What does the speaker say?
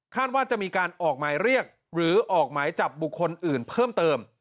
ว่าจะมีการออกหมายเรียกหรือออกหมายจับบุคคลอื่นเพิ่มเติม